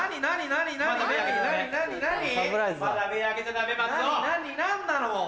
何なの？